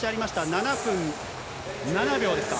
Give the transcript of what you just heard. ７分７秒ですか。